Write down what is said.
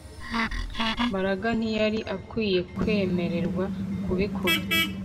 Mbaraga ntiyari akwiye kwemererwa kubikora